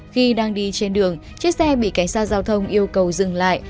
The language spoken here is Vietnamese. khi đang đi trên đường chiếc xe bị cảnh sát giao thông yêu cầu dừng lại